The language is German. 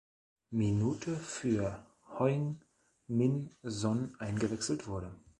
Minute für Heung-Min Son eingewechselt wurde.